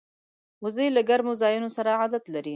وزې له ګرمو ځایونو سره عادت لري